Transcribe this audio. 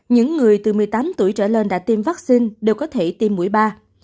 những người từ một mươi tám tuổi trở lên đã tiêm vắc xin đều có thể tiêm mũi ba